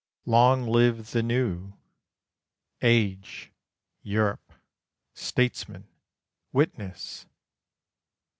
Long live the New "Age," "Europe," "Statesman," "Witness"!